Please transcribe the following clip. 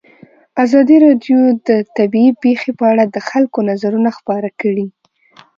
ازادي راډیو د طبیعي پېښې په اړه د خلکو نظرونه خپاره کړي.